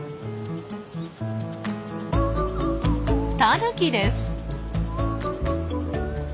タヌキです！